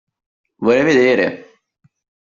Vorrei vedere!